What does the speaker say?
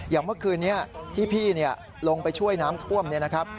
อย่างเมื่อคืนนี้ที่พี่ลงไปช่วยน้ำท่วมเนี่ยนะครับ